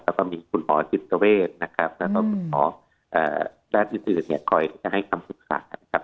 แล้วก็มีคุณหมอจิตเวชนะครับแล้วก็คุณหมอราชิตอื่นคอยจะให้คำศึกษาครับ